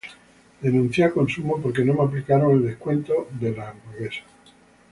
denuncié a consumo porque no me aplicaron el descuento a la hamburguesa